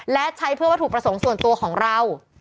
และใช้เพื่อวัตถุประสงค์ส่วนตัวของเรา